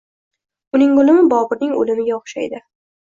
Uning o‘limi Boburning o‘limiga o‘xshaydi.